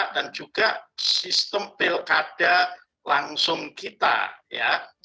dan juga sistem pilkada langsung kita ya